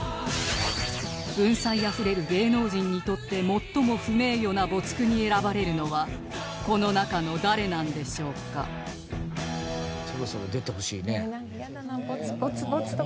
文才あふれる芸能人にとって最も不名誉な没句に選ばれるのはこの中の誰なんでしょうか？なんかイヤだな没とか。